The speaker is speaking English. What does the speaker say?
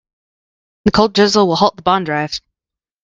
The cold drizzle will halt the bond drive.